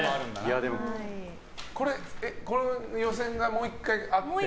これ予選がもう１回あって？